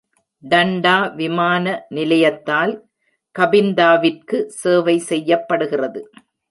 டன்டா விமான நிலையத்தால் கபிந்தாவிற்கு சேவை செய்யப்படுகிறது.